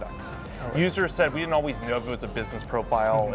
pengguna bilang kita tidak selalu tahu apakah itu profil bisnis